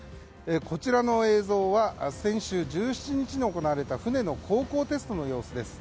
こちらの映像は先週１７日に行われた船の航行テストの様子です。